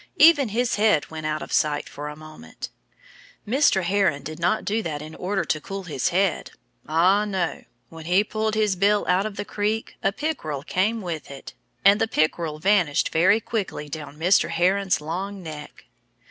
Even his head went out of sight for a moment. Mr. Heron did not do that in order to cool his head. Ah, no! When he pulled his bill out of the creek a pickerel came with it. And the pickerel vanished very quickly down Mr. Heron's long neck.